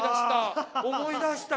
思い出した！